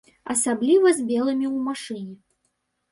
Асабліва з белымі ў машыне.